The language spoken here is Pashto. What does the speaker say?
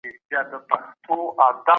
د ټکنالوژۍ انتقال د پرمختګ چټکتیا زیاتوي.